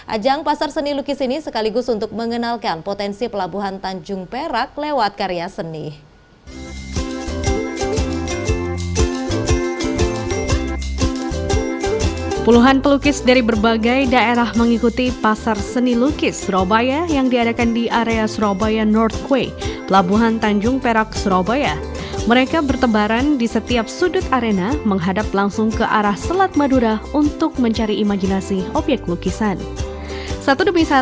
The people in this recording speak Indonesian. ajang pasar seni lukis ini sekaligus untuk mengenalkan potensi pelabuhan tanjung perak lewat karya seni